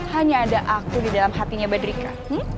hanya ada aku di dalam hatinya badrika